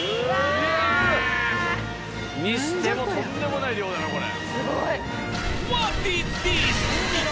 にしてもとんでもない量だなこれ。